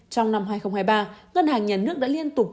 trong năm hai nghìn hai mươi ba ngân hàng nhà nước đã liên tục